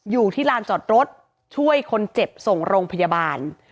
อยู่ที่ลานจอดรถช่วยคนเจ็บส่งโรงพยาบาล